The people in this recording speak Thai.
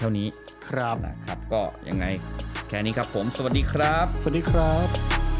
เท่านี้ครับนะครับก็ยังไงแค่นี้ครับผมสวัสดีครับสวัสดีครับ